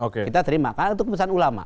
kita terima karena itu keputusan ulama